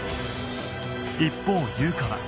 一方優香は